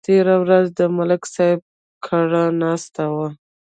تېره ورځ د ملک صاحب کره ناست وو